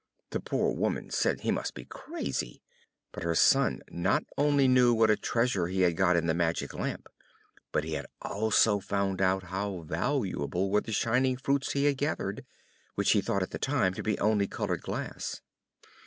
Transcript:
The poor woman said he must be crazy; but her son not only knew what a treasure he had got in the Magic Lamp, but he had also found how valuable were the shining fruits he had gathered, which he thought at the time to be only coloured glass.